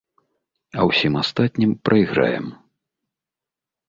А ўсім астатнім прайграем.